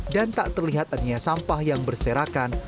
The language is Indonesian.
dan tak terlihat adanya sampah yang berserakan